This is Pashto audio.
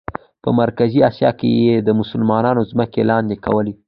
په مرکزي آسیا کې یې د مسلمانانو ځمکې لاندې کولې.